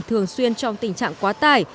thường xuyên trong tình trạng quá tải